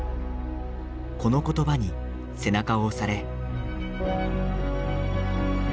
この言葉に背中を押され。